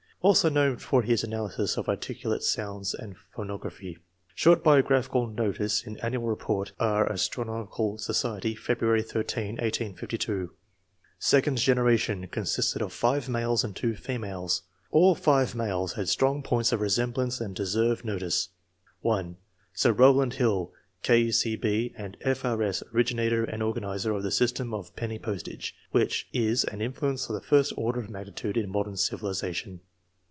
Also known for his analysis of articulate sounds and phonography. (Short biographical notice in Annual Report R. Astronomical Society, Feb. 13, 1852.) Second generation consisted of 5 males and 2 females. — All 5 males had strong points of resemblance and deserve notice. (1) Sir Row land Hill, K.C.B. and F.R.S., originator and organizer of the system of penny postage, which is an influence of the first order of magnitude in modern civilization.